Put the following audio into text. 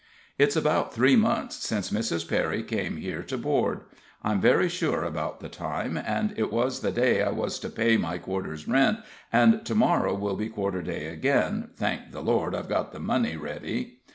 It's about three months since Mrs. Perry came here to board. I'm very sure about the time, and it was the day I was to pay my quarter's rent, and to morrow will be quarter day again; thank the Lord I've got the money ready.